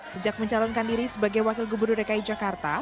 sejak mencalonkan diri sebagai wakil gubernur dki jakarta